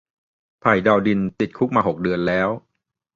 ไผ่ดาวดิน ติดคุกมาหกเดือนแล้ว